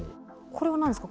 これは何ですか？